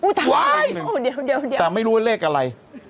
อุ๊ยท้ายเดี๋ยวเดี๋ยวเดี๋ยวแต่ไม่รู้ว่าเลขอะไร